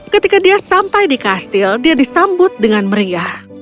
ketika dia sampai di kastil dia disambut dengan meriah